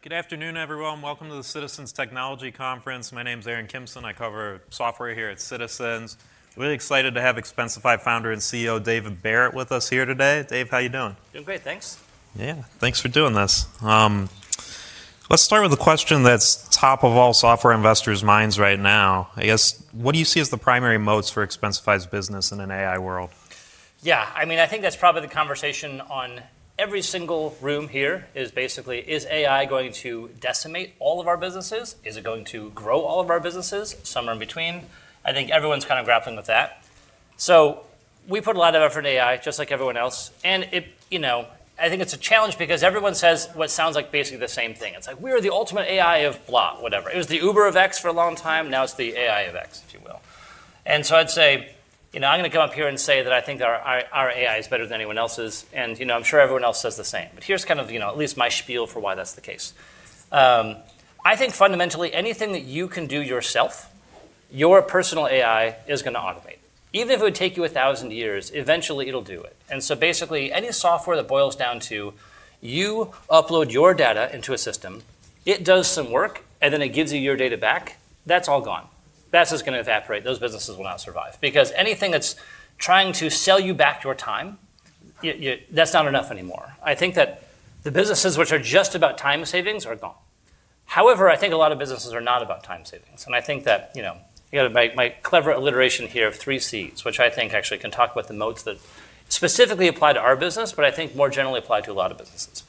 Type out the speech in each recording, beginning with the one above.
Good afternoon, everyone. Welcome to the Citizens JMP Technology Conference. My name's Aaron Kimson. I cover software here at Citizens. Really excited to have Expensify Founder and CEO David Barrett with us here today. Dave, how you doing? Doing great, thanks. Yeah. Thanks for doing this. Let's start with a question that's top of all software investors' minds right now. I guess, what do you see as the primary moats for Expensify's business in an AI world? Yeah, I mean, I think that's probably the conversation on every single room here is basically, is AI going to decimate all of our businesses? Is it going to grow all of our businesses? Somewhere in between. I think everyone's kind of grappling with that. We put a lot of effort in AI, just like everyone else, and it, you know, I think it's a challenge because everyone says what sounds like basically the same thing. It's like, "We're the ultimate AI of blah," whatever. It was the Uber of X for a long time, now it's the AI of X, if you will. I'd say, you know, I'm gonna come up here and say that I think our AI is better than anyone else's, and, you know, I'm sure everyone else says the same. Here's kind of, you know, at least my spiel for why that's the case. I think fundamentally anything that you can do yourself, your personal AI is gonna automate. Even if it would take you 1,000 years, eventually it'll do it. Basically any software that boils down to you upload your data into a system, it does some work, and then it gives you your data back, that's all gone. That's just gonna evaporate. Those businesses will not survive. Anything that's trying to sell you back your time, that's not enough anymore. I think that the businesses which are just about time savings are gone. I think a lot of businesses are not about time savings, and I think that, you know, you gotta make my clever alliteration here of three Cs, which I think actually can talk about the moats that specifically apply to our business, but I think more generally apply to a lot of businesses.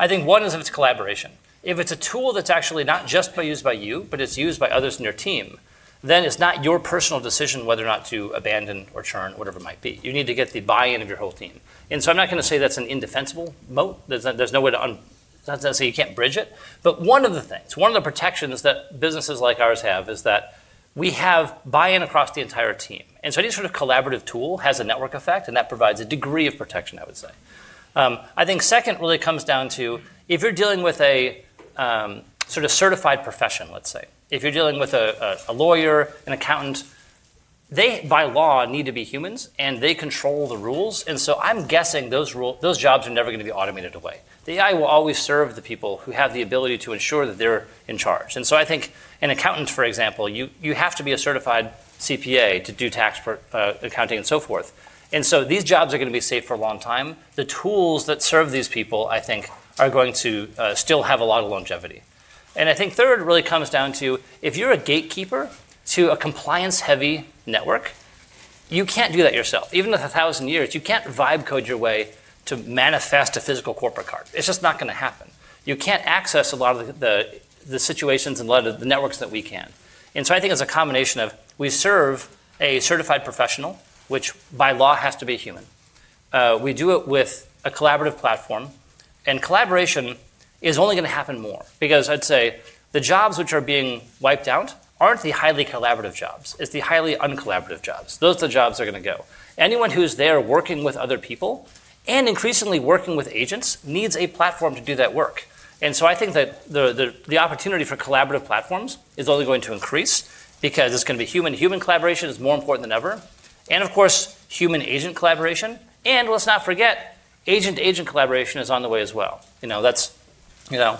I think one is if it's collaboration. If it's a tool that's actually not just used by you, but it's used by others in your team, then it's not your personal decision whether or not to abandon or churn, whatever it might be. You need to get the buy-in of your whole team. So I'm not gonna say that's an indefensible moat. There's no way to not saying you can't bridge it. One of the things, one of the protections that businesses like ours have is that we have buy-in across the entire team. Any sort of collaborative tool has a network effect, and that provides a degree of protection, I would say. I think second really comes down to if you're dealing with a sort of certified profession, let's say. If you're dealing with a lawyer, an accountant, they by law need to be humans, and they control the rules. I'm guessing those jobs are never gonna be automated away. The AI will always serve the people who have the ability to ensure that they're in charge. I think an accountant, for example, you have to be a certified CPA to do tax for accounting and so forth. These jobs are gonna be safe for a long time. The tools that serve these people, I think, are going to still have a lot of longevity. I think third really comes down to if you're a gatekeeper to a compliance-heavy network, you can't do that yourself. Even with 1,000 years, you can't vibe code your way to manifest a physical corporate card. It's just not gonna happen. You can't access a lot of the, the situations and a lot of the networks that we can. I think it's a combination of we serve a certified professional, which by law has to be human. We do it with a collaborative platform, and collaboration is only gonna happen more because I'd say the jobs which are being wiped out aren't the highly collaborative jobs. It's the highly uncollaborative jobs. Those are the jobs that are gonna go. Anyone who's there working with other people and increasingly working with agents needs a platform to do that work. I think that the opportunity for collaborative platforms is only going to increase because it's gonna be human to human collaboration is more important than ever, and of course, human agent collaboration, and let's not forget agent to agent collaboration is on the way as well. You know, that's, you know,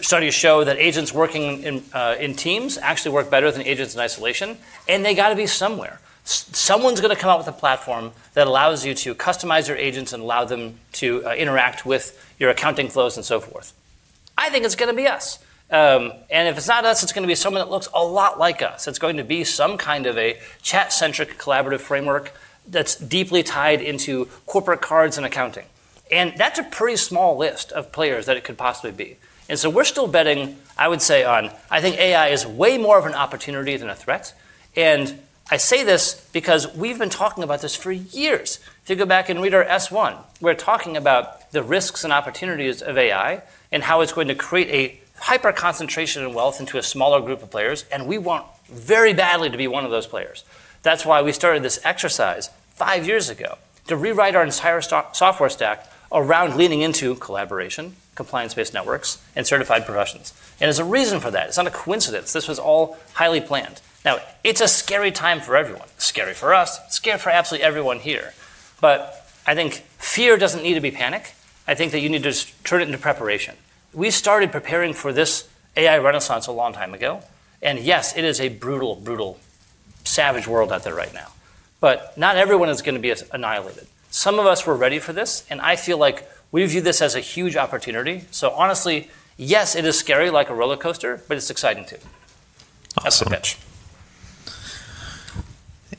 starting to show that agents working in teams actually work better than agents in isolation, and they gotta be somewhere. Someone's gonna come out with a platform that allows you to customize your agents and allow them to interact with your accounting flows and so forth. I think it's gonna be us. If it's not us, it's going to be someone that looks a lot like us. It's going to be some kind of a chat-centric collaborative framework that's deeply tied into corporate cards and accounting. That's a pretty small list of players that it could possibly be. We're still betting, I would say, on, I think AI is way more of an opportunity than a threat, and I say this because we've been talking about this for years. If you go back and read our S-1, we're talking about the risks and opportunities of AI and how it's going to create a hyper-concentration of wealth into a smaller group of players, and we want very badly to be one of those players. That's why we started this exercise 5 years ago to rewrite our entire software stack around leaning into collaboration, compliance-based networks, and certified professions. There's a reason for that. It's not a coincidence. This was all highly planned. Now, it's a scary time for everyone. Scary for us, scary for absolutely everyone here. I think fear doesn't need to be panic. I think that you need to just turn it into preparation. We started preparing for this AI renaissance a long time ago, and yes, it is a brutal, savage world out there right now. Not everyone is gonna be as annihilated. Some of us were ready for this, and I feel like we view this as a huge opportunity. Honestly, yes, it is scary like a roller coaster, but it's exciting too. Awesome. That's the pitch.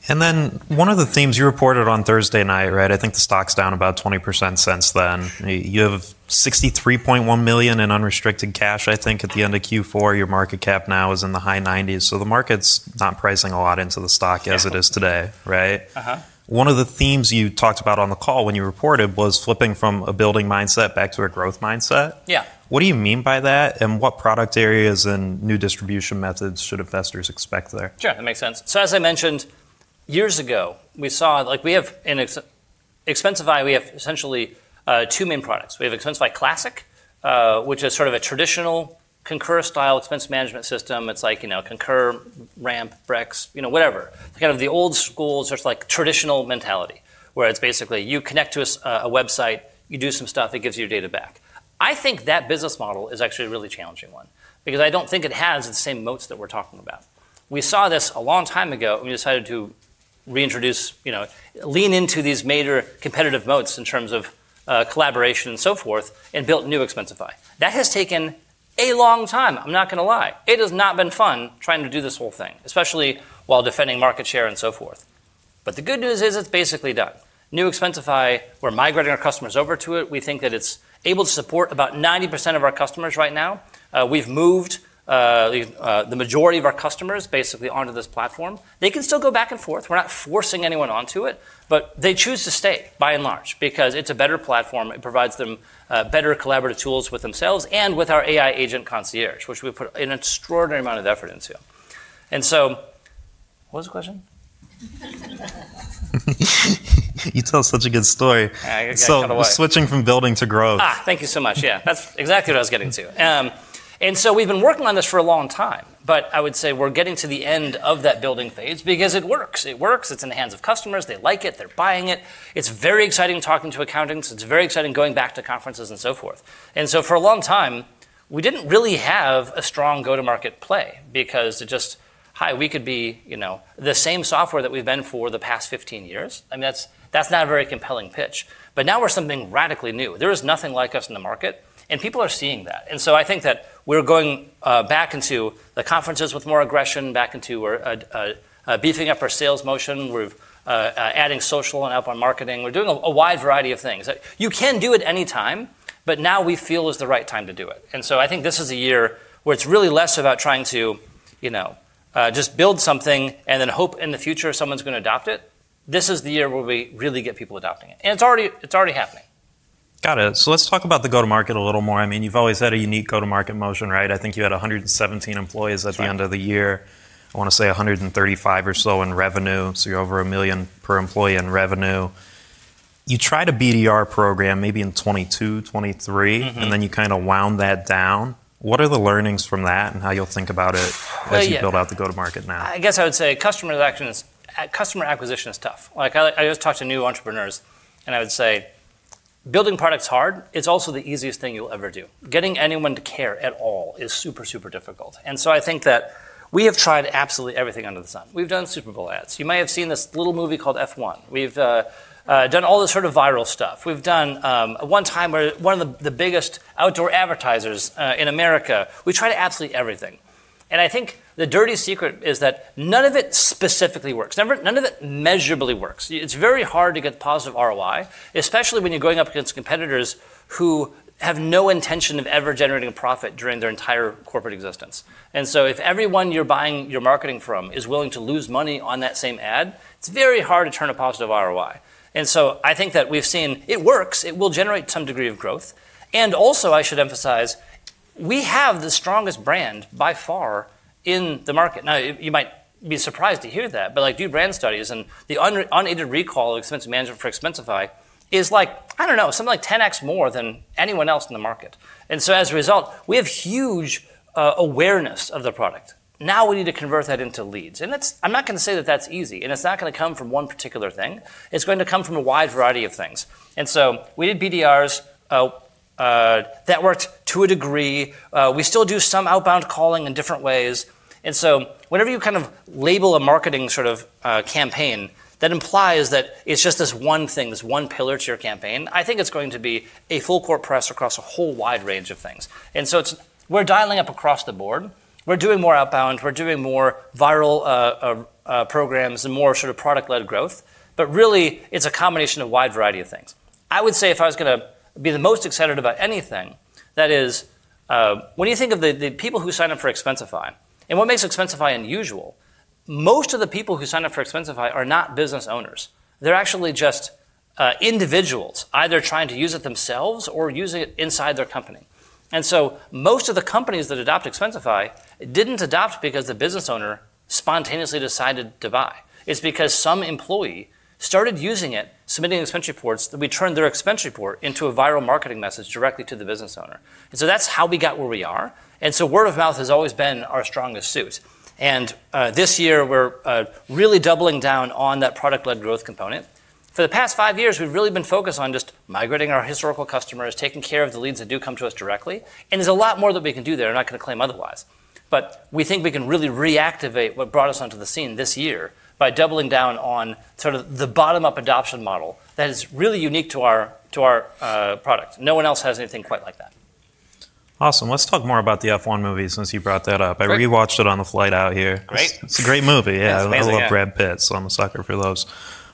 One of the themes you reported on Thursday night, right? I think the stock's down about 20% since then. You have $63.1 million in unrestricted cash, I think, at the end of Q4. Your market cap now is in the high nineties. The market's not pricing a lot into the stock. Yeah. -as it is today, right? Uh-huh. One of the themes you talked about on the call when you reported was flipping from a building mindset back to a growth mindset. Yeah. What do you mean by that, and what product areas and new distribution methods should investors expect there? Sure, that makes sense. Like we have in Expensify, we have essentially two main products. We have Expensify Classic, which is sort of a traditional Concur-style expense management system. It's like, you know, Concur, Ramp, Brex, you know, whatever. Kind of the old school, sort of like traditional mentality, where it's basically you connect to a website, you do some stuff, it gives you your data back. I think that business model is actually a really challenging one because I don't think it has the same moats that we're talking about. We saw this a long time ago, we decided to reintroduce, you know, lean into these major competitive moats in terms of collaboration and so forth, and built New Expensify. That has taken a long time. I'm not gonna lie. It has not been fun trying to do this whole thing, especially while defending market share and so forth. The good news is it's basically done. New Expensify, we're migrating our customers over to it. We think that it's able to support about 90% of our customers right now. We've moved the majority of our customers basically onto this platform. They can still go back and forth. We're not forcing anyone onto it, but they choose to stay by and large because it's a better platform. It provides them better collaborative tools with themselves and with our AI agent Concierge, which we put an extraordinary amount of effort into. What was the question? You tell such a good story. I got kinda lost. switching from building to growth. Thank you so much. Yeah, that's exactly what I was getting to. We've been working on this for a long time, but I would say we're getting to the end of that building phase because it works. It works. It's in the hands of customers. They like it. They're buying it. It's very exciting talking to accountants. It's very exciting going back to conferences and so forth. For a long time, we didn't really have a strong go-to-market play because it just, "Hi, we could be, you know, the same software that we've been for the past 15 years." I mean, that's not a very compelling pitch. Now we're something radically new. There is nothing like us in the market, and people are seeing that. I think that we're going back into the conferences with more aggression, back into we're beefing up our sales motion. We're adding social and outbound marketing. We're doing a wide variety of things. You can do it any time, but now we feel is the right time to do it. I think this is a year where it's really less about trying to, you know, just build something and then hope in the future someone's gonna adopt it. This is the year where we really get people adopting it, and it's already happening. Got it. Let's talk about the go-to-market a little more. I mean, you've always had a unique go-to-market motion, right? I think you had 117 employees at the end of the year. Sure. I wanna say $135 or so in revenue, so you're over $1 million per employee in revenue. You tried a BDR program maybe in 2022, 2023. Mm-hmm... and then you kinda wound that down. What are the learnings from that and how you'll think about it? Well, yeah.... as you build out the go-to-market now? I guess I would say customer acquisition is tough. Like I always talk to new entrepreneurs, and I would say building product's hard. It's also the easiest thing you'll ever do. Getting anyone to care at all is super difficult. I think that we have tried absolutely everything under the sun. We've done Super Bowl ads. You may have seen this little movie called F1. We've done all this sort of viral stuff. We've done one time we're one of the biggest outdoor advertisers in America. We try absolutely everything, and I think the dirty secret is that none of it specifically works. None of it measurably works. It's very hard to get positive ROI, especially when you're going up against competitors who have no intention of ever generating a profit during their entire corporate existence. If everyone you're buying your marketing from is willing to lose money on that same ad, it's very hard to turn a positive ROI. I think that we've seen it works. It will generate some degree of growth. Also, I should emphasize, we have the strongest brand by far in the market. Now, you might be surprised to hear that, but like do brand studies, the unaided recall of expense management for Expensify is like, I don't know, something like 10x more than anyone else in the market. As a result, we have huge awareness of the product. Now we need to convert that into leads. That's I'm not gonna say that that's easy, and it's not gonna come from one particular thing. It's going to come from a wide variety of things. We did BDRs. That worked to a degree. We still do some outbound calling in different ways. Whenever you kind of label a marketing sort of campaign, that implies that it's just this one thing, this one pillar to your campaign. I think it's going to be a full court press across a whole wide range of things. We're dialing up across the board. We're doing more outbound. We're doing more viral programs and more sort of product-led growth. Really, it's a combination of a wide variety of things. I would say if I was gonna be the most excited about anything, that is, when you think of the people who sign up for Expensify, and what makes Expensify unusual, most of the people who sign up for Expensify are not business owners. They're actually just individuals either trying to use it themselves or using it inside their company. Most of the companies that adopt Expensify didn't adopt because the business owner spontaneously decided to buy. It's because some employee started using it, submitting expense reports, that we turned their expense report into a viral marketing message directly to the business owner. That's how we got where we are, and so word of mouth has always been our strongest suit. This year we're really doubling down on that product-led growth component. For the past five years, we've really been focused on just migrating our historical customers, taking care of the leads that do come to us directly, and there's a lot more that we can do there. I'm not gonna claim otherwise. We think we can really reactivate what brought us onto the scene this year by doubling down on sort of the bottom-up adoption model that is really unique to our product. No one else has anything quite like that. Awesome. Let's talk more about the F1 movie since you brought that up. Sure. I re-watched it on the flight out here. Great. It's a great movie, yeah. It's amazing. I love Brad Pitt, so I'm a sucker for those.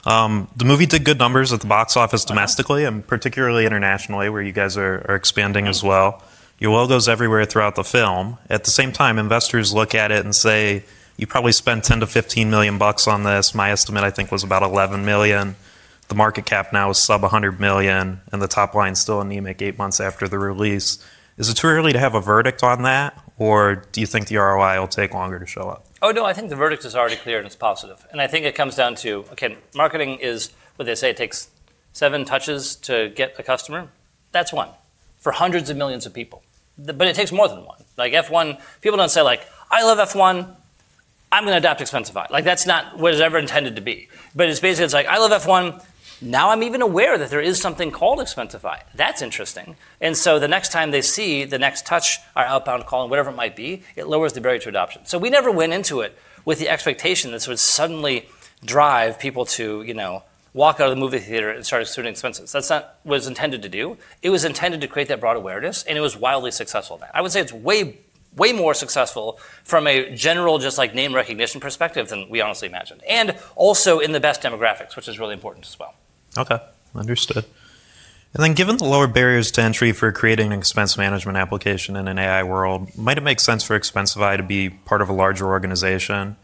The movie did good numbers at the box office domestically... Right... and particularly internationally, where you guys are expanding as well. You wore those everywhere throughout the film. At the same time, investors look at it and say, "You probably spent $10 million-$15 million on this." My estimate, I think, was about $11 million. The market cap now is sub $100 million, and the top line's still anemic 8 months after the release. Is it too early to have a verdict on that, or do you think the ROI will take longer to show up? Oh, no, I think the verdict is already clear, and it's positive. I think it comes down to, again, marketing is what they say it takes seven touches to get a customer, that's one. For hundreds of millions of people. It takes more than one. Like F1. People don't say like, "I love F1, I'm gonna adopt Expensify." Like, that's not what it's ever intended to be. It's basically it's like, "I love F1, now I'm even aware that there is something called Expensify. That's interesting." The next time they see the next touch, our outbound call and whatever it might be, it lowers the barrier to adoption. We never went into it with the expectation this would suddenly drive people to, you know, walk out of the movie theater and start submitting expenses. That's not what it's intended to do. It was intended to create that broad awareness, and it was wildly successful at that. I would say it's way more successful from a general just, like, name recognition perspective than we honestly imagined, and also in the best demographics, which is really important as well. Okay. Understood. Given the lower barriers to entry for creating an expense management application in an AI world, might it make sense for Expensify to be part of a larger organization?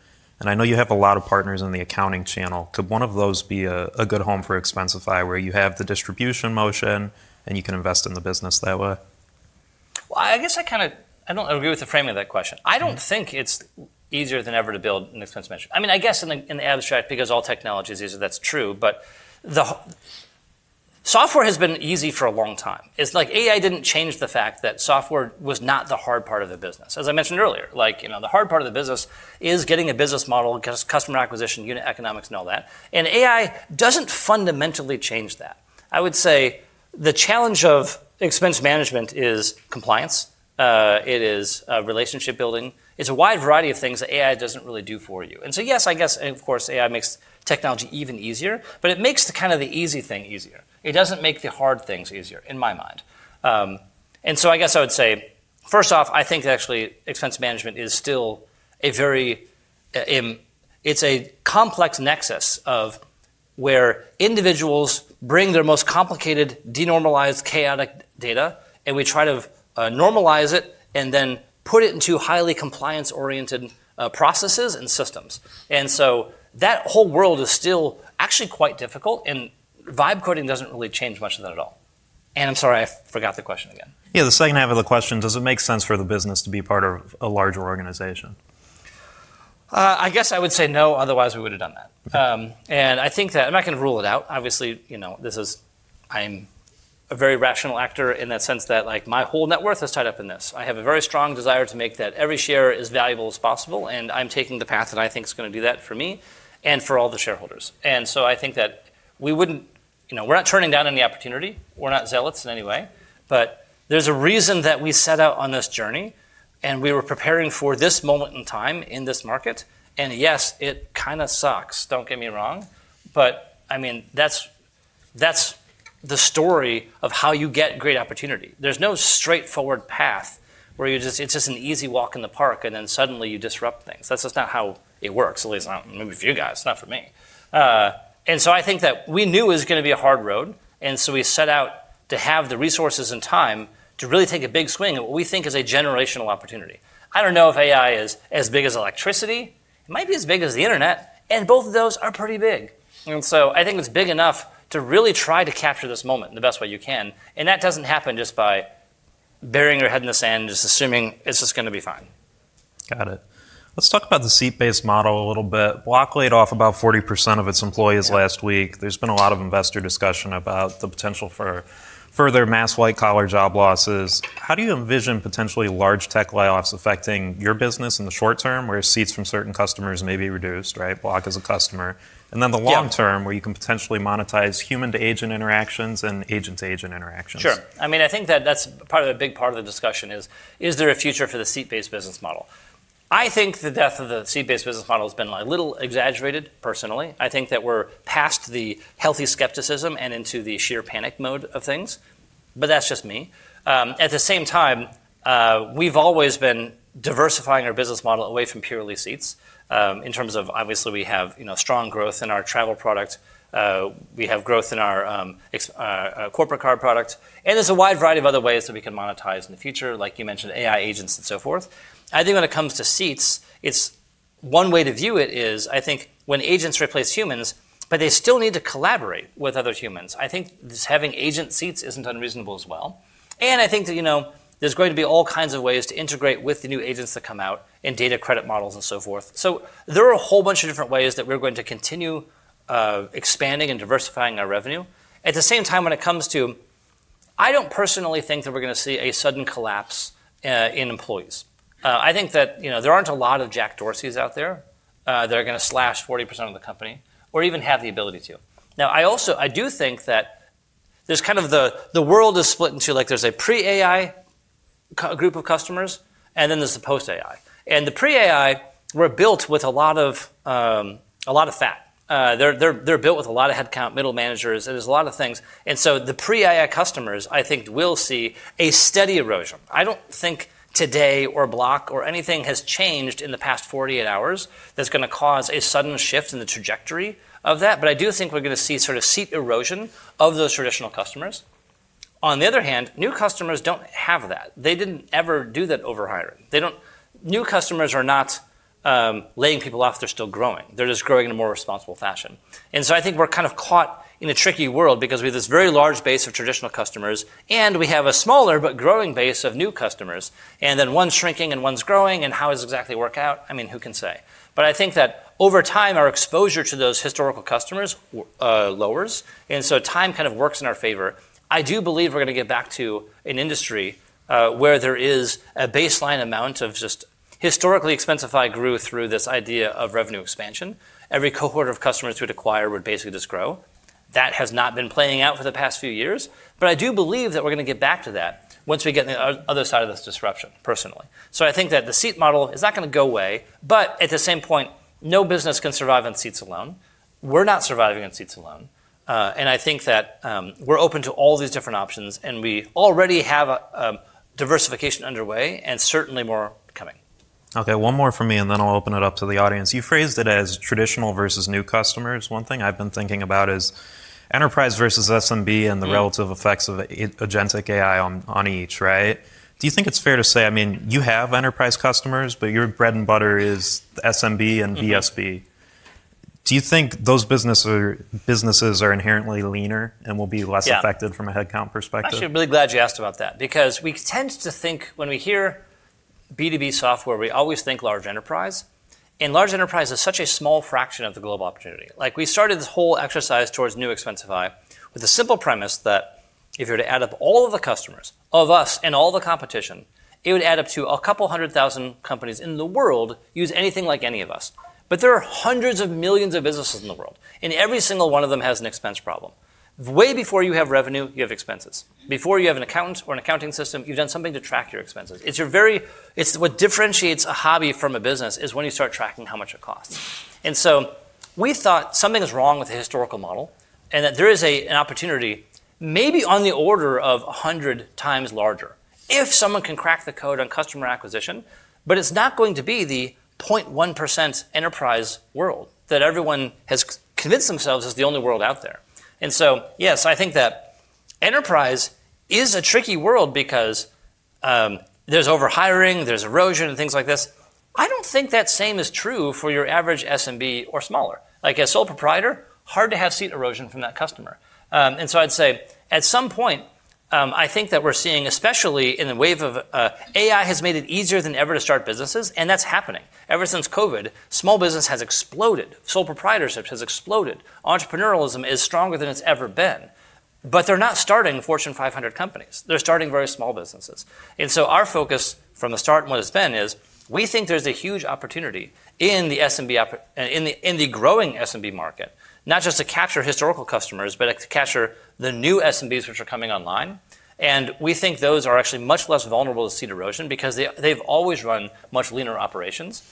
I know you have a lot of partners in the accounting channel. Could one of those be a good home for Expensify, where you have the distribution motion and you can invest in the business that way? Well, I guess I kinda I don't agree with the framing of that question. I don't think it's easier than ever to build an expense management. I mean, I guess in the, in the abstract because all technology is easy, that's true, but software has been easy for a long time. It's like AI didn't change the fact that software was not the hard part of the business. As I mentioned earlier, like, you know, the hard part of the business is getting a business model, customer acquisition, unit economics and all that, and AI doesn't fundamentally change that. I would say the challenge of expense management is compliance, it is relationship building. It's a wide variety of things that AI doesn't really do for you. Yes, I guess, and of course, AI makes technology even easier, but it makes the kinda the easy thing easier. It doesn't make the hard things easier, in my mind. I guess I would say, first off, I think actually expense management is still a very... It's a complex nexus of where individuals bring their most complicated, denormalized, chaotic data, and we try to normalize it and then put it into highly compliance-oriented processes and systems. That whole world is still actually quite difficult, and vibe coding doesn't really change much of that at all. I'm sorry, I forgot the question again. Yeah, the second half of the question, does it make sense for the business to be part of a larger organization? I guess I would say no, otherwise we would've done that. I think that I'm not gonna rule it out. Obviously, you know, I'm a very rational actor in that sense that, like, my whole net worth is tied up in this. I have a very strong desire to make that every share as valuable as possible, and I'm taking the path that I think is gonna do that for me and for all the shareholders. I think that we wouldn't, you know, we're not turning down any opportunity. We're not zealots in any way. There's a reason that we set out on this journey, and we were preparing for this moment in time in this market, and yes, it kinda sucks, don't get me wrong, but I mean, that's the story of how you get great opportunity. There's no straightforward path where you just, it's just an easy walk in the park and then suddenly you disrupt things. That's just not how it works. At least not maybe for you guys. Not for me. I think that we knew it was gonna be a hard road, and so we set out to have the resources and time to really take a big swing at what we think is a generational opportunity. I don't know if AI is as big as electricity. It might be as big as the internet, and both of those are pretty big. I think it's big enough to really try to capture this moment in the best way you can, and that doesn't happen just by burying your head in the sand, just assuming it's just gonna be fine. Got it. Let's talk about the seat-based model a little bit. Block laid off about 40% of its employees last week. Yeah. There's been a lot of investor discussion about the potential for further mass white-collar job losses. How do you envision potentially large tech layoffs affecting your business in the short term, where seats from certain customers may be reduced, right? Block is a customer. Then the long term- Yeah ...where you can potentially monetize human-to-agent interactions and agent-to-agent interactions. Sure. I mean, I think that that's part of the big part of the discussion is there a future for the seat-based business model? I think the death of the seat-based business model has been, like, a little exaggerated, personally. I think that we're past the healthy skepticism and into the sheer panic mode of things, but that's just me. At the same time, we've always been diversifying our business model away from purely seats, in terms of obviously we have, you know, strong growth in our travel product, we have growth in our corporate card product, and there's a wide variety of other ways that we can monetize in the future, like you mentioned, AI agents and so forth. I think when it comes to seats, it's one way to view it is I think when agents replace humans, but they still need to collaborate with other humans. I think just having agent seats isn't unreasonable as well. I think that, you know, there's going to be all kinds of ways to integrate with the new agents that come out and data credit models and so forth. There are a whole bunch of different ways that we're going to continue expanding and diversifying our revenue. At the same time, I don't personally think that we're gonna see a sudden collapse in employees. I think that, you know, there aren't a lot of Jack Dorsey out there that are gonna slash 40% of the company or even have the ability to. I do think that there's kind of the world is split into like there's a pre-AI group of customers, and then there's the post-AI. The pre-AI were built with a lot of, a lot of fat. They're built with a lot of headcount, middle managers, and there's a lot of things. The pre-AI customers, I think, will see a steady erosion. I don't think today or Block or anything has changed in the past 48 hours that's gonna cause a sudden shift in the trajectory of that. I do think we're gonna see sort of seat erosion of those traditional customers. On the other hand, new customers don't have that. They didn't ever do that over hiring. New customers are not laying people off, they're still growing. They're just growing in a more responsible fashion. I think we're kind of caught in a tricky world because we have this very large base of traditional customers, and we have a smaller but growing base of new customers. One's shrinking, and one's growing, and how does it exactly work out? I mean, who can say? I think that over time, our exposure to those historical customers lowers, and so time kind of works in our favor. I do believe we're gonna get back to an industry where there is a baseline amount of just... Historically, Expensify grew through this idea of revenue expansion. Every cohort of customers we'd acquire would basically just grow. That has not been playing out for the past few years, but I do believe that we're gonna get back to that once we get on the other side of this disruption, personally. I think that the seat model is not gonna go away. At the same point, no business can survive on seats alone. We're not surviving on seats alone. I think that we're open to all these different options. We already have a diversification underway and certainly more coming. Okay, one more from me, and then I'll open it up to the audience. You phrased it as traditional versus new customers. One thing I've been thinking about is enterprise versus SMB- Mm. The relative effects of e-agentic AI on each, right? Do you think it's fair to say, I mean, you have enterprise customers, but your bread and butter is SMB and VSB. Mm-hmm. Do you think those businesses are inherently leaner and will be less... Yeah. affected from a headcount perspective? I'm actually really glad you asked about that because we tend to think when we hear B2B software, we always think large enterprise. Large enterprise is such a small fraction of the global opportunity. Like, we started this whole exercise towards New Expensify with the simple premise that if you were to add up all of the customers of us and all the competition, it would add up to a couple hundred thousand companies in the world use anything like any of us. There are hundreds of millions of businesses in the world, and every single one of them has an expense problem. Way before you have revenue, you have expenses. Before you have an accountant or an accounting system, you've done something to track your expenses. It's what differentiates a hobby from a business, is when you start tracking how much it costs. We thought something is wrong with the historical model, and that there is an opportunity maybe on the order of 100 times larger if someone can crack the code on customer acquisition. It's not going to be the 0.1% enterprise world that everyone has convinced themselves is the only world out there. Yes, I think that enterprise is a tricky world because there's over-hiring, there's erosion and things like this. I don't think that same is true for your average SMB or smaller. Like a sole proprietor, hard to have seat erosion from that customer. I'd say at some point, I think that we're seeing, especially in the wave of AI has made it easier than ever to start businesses, and that's happening. Ever since COVID, small business has exploded. Sole proprietorships has exploded. Entrepreneurialism is stronger than it's ever been. They're not starting Fortune 500 companies. They're starting very small businesses. Our focus from the start and what it's been is we think there's a huge opportunity in the growing SMB market, not just to capture historical customers, but to capture the new SMBs which are coming online. We think those are actually much less vulnerable to seat erosion because they've always run much leaner operations.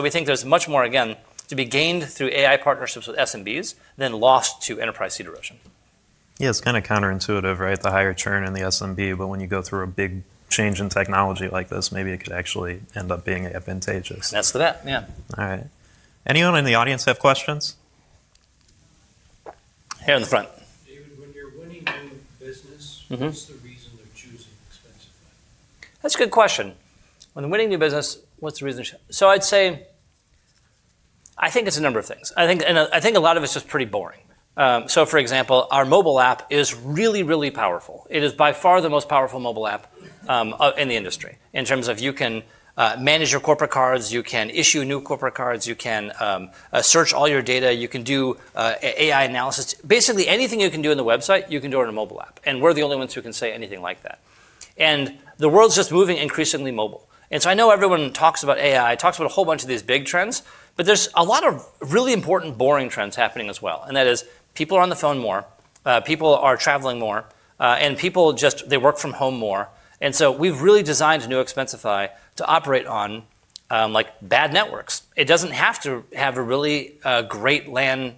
We think there's much more, again, to be gained through AI partnerships with SMBs than lost to enterprise seat erosion. Yeah. It's kinda counterintuitive, right? The higher churn in the SMB, but when you go through a big change in technology like this, maybe it could actually end up being advantageous. That's that, yeah. All right. Anyone in the audience have questions? Here in the front. David, when you're winning new business- Mm-hmm. What's the reason they're choosing Expensify? That's a good question. When winning new business, what's the reason? I'd say, I think it's a number of things. I think, and I think a lot of it's just pretty boring. For example, our mobile app is really, really powerful. It is by far the most powerful mobile app in the industry in terms of you can manage your corporate cards, you can issue new corporate cards, you can search all your data, you can do AI analysis. Basically, anything you can do on the website, you can do it on a mobile app, and we're the only ones who can say anything like that. The world's just moving increasingly mobile. I know everyone talks about AI, talks about a whole bunch of these big trends, but there's a lot of really important boring trends happening as well, and that is people are on the phone more, people are traveling more, and people just, they work from home more. We've really designed New Expensify to operate on like bad networks. It doesn't have to have a really great LAN,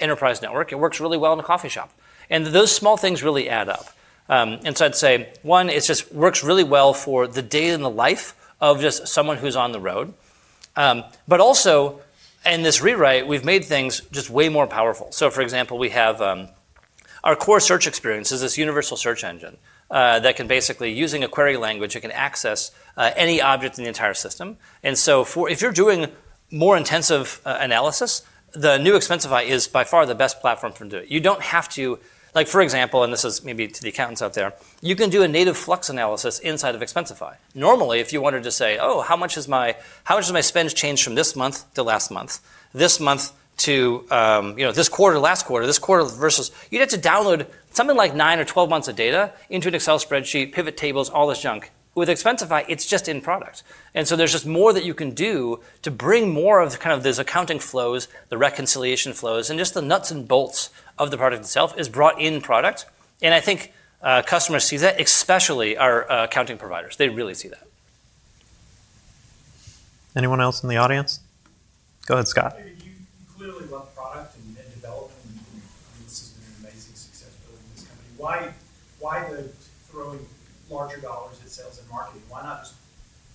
enterprise network. It works really well in a coffee shop. Those small things really add up. I'd say, one, it just works really well for the day in the life of just someone who's on the road. In this rewrite, we've made things just way more powerful. For example, we have our core search experience is this universal search engine that can basically, using a query language, it can access any object in the entire system. If you're doing more intensive analysis, the New Expensify is by far the best platform to do it. You don't have to. Like, for example, and this is maybe to the accountants out there, you can do a native flux analysis inside of Expensify. Normally, if you wanted to say, "Oh, how much has my spend changed from this month to last month? This month to, you know, this quarter to last quarter? This quarter versus." You'd have to download something like nine or 12 months of data into an Excel spreadsheet, pivot tables, all this junk. With Expensify, it's just in product. There's just more that you can do to bring more of the, kind of those accounting flows, the reconciliation flows, and just the nuts and bolts of the product itself is brought in product. I think customers see that, especially our accounting providers. They really see that. Anyone else in the audience? Go ahead, Scott. David, you clearly love product and development. I mean, this has been an amazing success building this company. Why the throwing larger dollars at sales and marketing? Why not just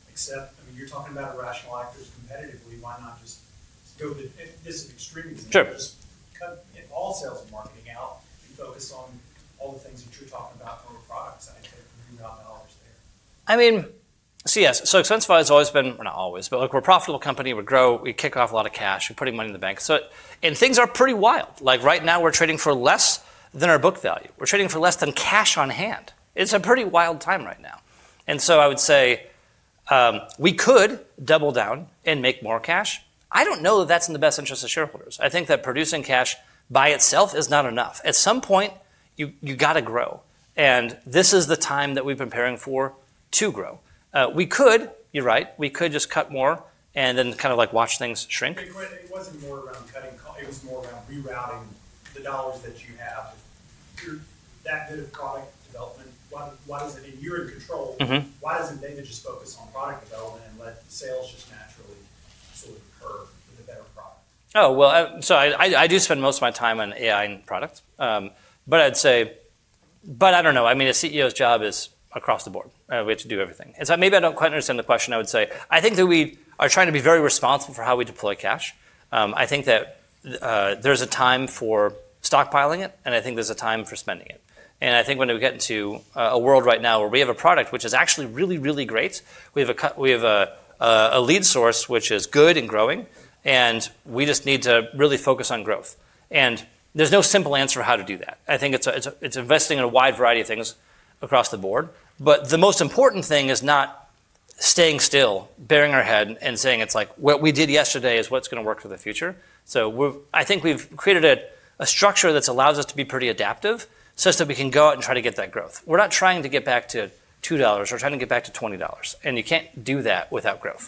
accept? I mean, you're talking about rational actors competitively. Why not just go the? This is extremism. Sure. Just cut all sales and marketing out and focus on all the things that you're talking about from a product side that $1 million there. I mean, yes. Expensify has always been... Well, not always, but look, we're a profitable company. We grow, we kick off a lot of cash. We're putting money in the bank. Things are pretty wild. Like right now, we're trading for less than our book value. We're trading for less than cash on hand. It's a pretty wild time right now. I would say, we could double down and make more cash. I don't know that that's in the best interest of shareholders. I think that producing cash by itself is not enough. At some point, you gotta grow, and this is the time that we've been preparing for to grow. We could, you're right, we could just cut more and then kind of like watch things shrink. It wasn't more around cutting it was more around rerouting the dollars that you have. That bit of product development, why is it? I mean, you're in control. Mm-hmm. Why doesn't David just focus on product development and let sales just naturally sort of occur with a better product? Well, I do spend most of my time on AI and product. I'd say I don't know. I mean, a CEO's job is across the board. We have to do everything. Maybe I don't quite understand the question. I would say, I think that we are trying to be very responsible for how we deploy cash. I think that there's a time for stockpiling it, and I think there's a time for spending it. I think when we get into a world right now where we have a product which is actually really, really great, we have a we have a lead source which is good and growing, and we just need to really focus on growth. There's no simple answer for how to do that. I think it's investing in a wide variety of things across the board. The most important thing is not staying still, burying our head, and saying, "What we did yesterday is what's going to work for the future." I think we've created a structure that allows us to be pretty adaptive such that we can go out and try to get that growth. We're not trying to get back to $2. We're trying to get back to $20. You can't do that without growth.